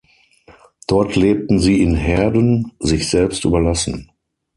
Dort lebten sie in Herden, sich selbst überlassen.